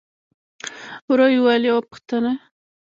ورو يې وويل: يوه پوښتنه!